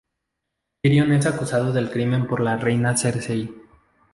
Tyrion es acusado del crimen por la reina Cersei.